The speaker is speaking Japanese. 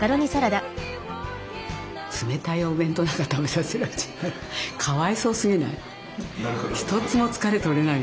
冷たいお弁当なんか食べさせられちゃったらかわいそうすぎない？